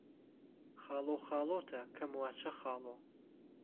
خاڵۆخاڵۆته کهم واچه خاڵۆ